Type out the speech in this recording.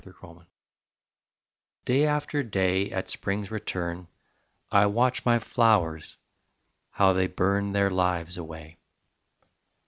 THE FLOWERS Day after day, At spring's return, I watch my flowers, how they burn Their lives away.